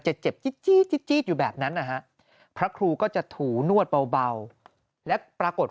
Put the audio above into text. เจ็บจี๊ดอยู่แบบนั้นนะฮะพระครูก็จะถูนวดเบาและปรากฏ